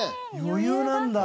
余裕なんだ。